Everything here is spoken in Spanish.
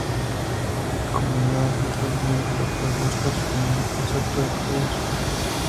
Como idea central del libro, el autor busca redefinir el concepto de "Poder".